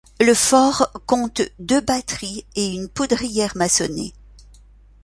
Le fort compte deux batteries et une poudrière maçonnée.